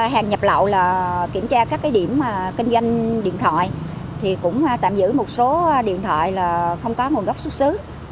hàng nhập lậu kiểm tra các điểm kinh doanh điện thoại tạm giữ một số điện thoại không có nguồn gốc xuất xứ